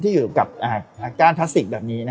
ที่อยู่กับการทัสสิกแบบนี้